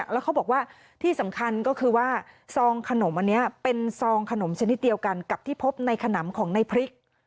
แล้วเขาบอกว่าที่สำคัญก็คือว่าซองขนมอันนี้เป็นซองขนมชนิดเดียวกันกับที่พบในขนำของในพริก